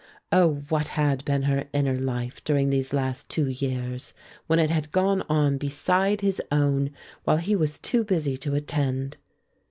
Oh, what had been her inner life during these last two years, when it had gone on beside his own, while he was too busy to attend?